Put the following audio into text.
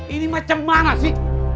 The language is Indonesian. ini macam mana sih